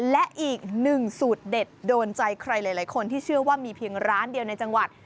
และอีกหนึ่งสูตรเด็ดโดนใจใครหลายคนที่เชื่อว่ามีเพียงร้านเดียวในจังหวัด